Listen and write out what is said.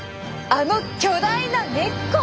あの巨大な根っこ！